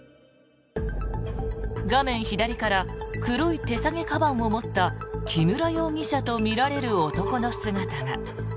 画面左から黒い手提げかばんを持った木村容疑者とみられる男の姿が。